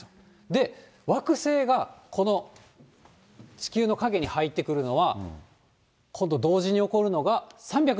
で、惑星がこの地球の影に入ってくるのは、今度同時に起こるのが３２